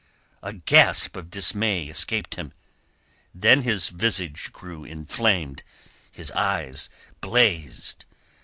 A gasp of dismay escaped him; then his visage grew inflamed, his eyes blazed.